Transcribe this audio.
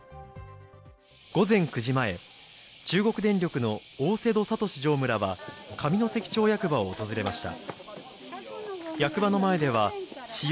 午前９時前、中国電力の大瀬戸聡常務らは上関町役場を訪れました。